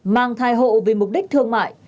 mang thai hộ vì mục đích thương mại